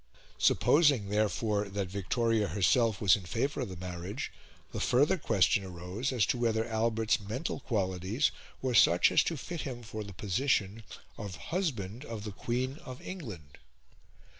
Supposing, therefore, that Victoria herself was in favour of the marriage, the further question arose as to whether Albert's mental qualities were such as to fit him for the position of husband of the Queen of England.